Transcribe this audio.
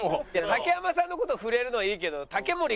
竹山さんの事触れるのはいいけど。